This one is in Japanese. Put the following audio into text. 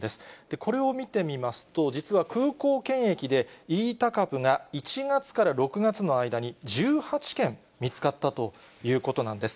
これを見てみますと、実は空港検疫で、イータ株が１月から６月の間に１８件見つかったということなんです。